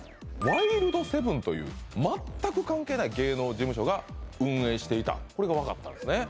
ワイルドセブンという全く関係ない芸能事務所が運営していたこれが分かったんですね